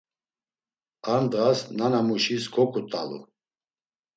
Ar ndğas nana muşis koǩut̆alu.